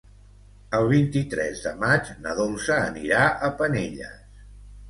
El vint-i-tres de maig na Dolça anirà a Penelles.